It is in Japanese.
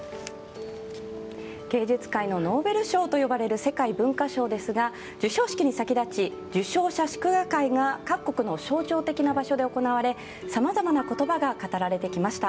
芸術界のノーベル賞といわれる世界文化賞ですが授賞式に先立ち、受賞者祝賀会が各国の象徴的な場所で行われさまざまな言葉が語られてきました。